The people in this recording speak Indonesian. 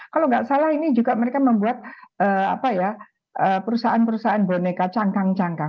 kalau nggak salah ini juga mereka membuat perusahaan perusahaan boneka cangkang cangkang